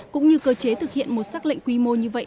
cũng như cơ chế thực hiện một xác lệnh quy mô như vậy